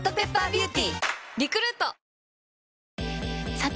さて！